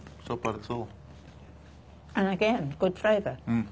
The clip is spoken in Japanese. うん。